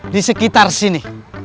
di sekitar sini